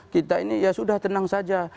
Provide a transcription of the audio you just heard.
kita ini ya sudah tenang saja